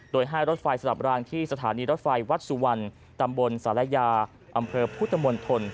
โดยให้รถไฟสลับรางที่สถานีรถไฟวัดสุวรรณตำบลศาลายาอำเภอพุทธมนตร